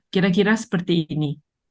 kira kira seperti ini